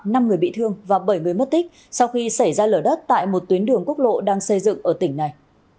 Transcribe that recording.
năm người bị thương và bảy người mất tích sau khi xảy ra lở đất tại một tuyến đường quốc lộ đang xây dựng ở tỉnh này